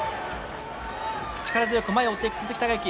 力強く前を追っていく鈴木孝幸。